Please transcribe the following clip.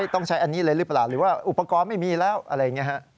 ต้องใช้อันนี้เลยหรือเปล่าหรือว่าอุปกรณ์ไม่มีแล้วอะไรอย่างนี้ฮะ